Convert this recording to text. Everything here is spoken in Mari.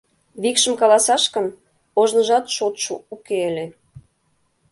Викшым каласаш гын, ожныжат шотшо уке ыле.